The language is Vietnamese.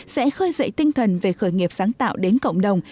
sẽ khơi dậy tinh thần về khởi nghiệp sáng tạo đến cộng đồng